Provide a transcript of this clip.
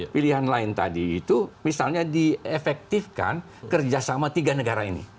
pilihan lain tadi itu misalnya diefektifkan kerjasama tiga negara ini